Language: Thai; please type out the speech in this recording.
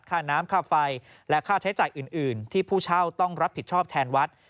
ค่าน้ำค่าไฟและค่าใช้จ่ายอื่นที่ผู้เช่าต้องรับผิดชอบแทนวัด